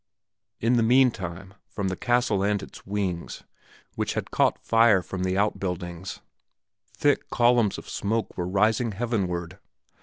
In the meantime, from the castle and the wings, which had caught fire from the out buildings, thick columns of smoke were rising heavenward.